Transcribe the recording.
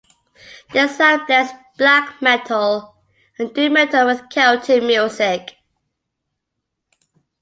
Their sound blends black metal and doom metal with Celtic music.